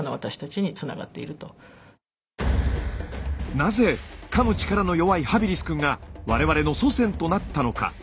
なぜかむ力の弱いハビリスくんが我々の祖先となったのか。